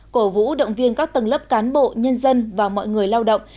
cổ vũ động viên các tầng lớp cán bộ nhân dân và mọi người lao động